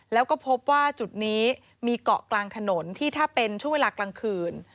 แล้วก็พบว่าจุดนี้มีเกาะกลางถนนที่ถ้าเป็นช่วงเวลากลางคืน